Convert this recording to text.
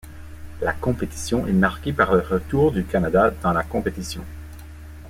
La compétition est marquée par le retour du Canada dans la compétition.